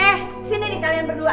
eh sini nih kalian berdua